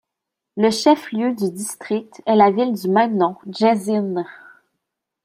Le chef lieu du district est la ville du même nom, Jezzine.